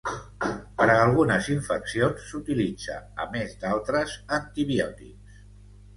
Per a algunes infeccions s'utilitza a més d'altres antibiòtics.